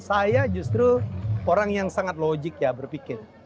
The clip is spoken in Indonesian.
saya justru orang yang sangat logik ya berpikir